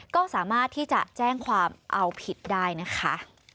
ก็สามารถที่จะแจ้งความเอาผิดได้นะคะ